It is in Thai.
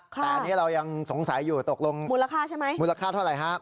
แต่อันนี้เรายังสงสัยอยู่ตกลงมูลค่าเท่าไรฮะ